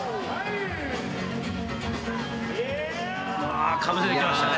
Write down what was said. あかぶせてきましたね。